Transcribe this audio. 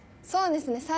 そうですね。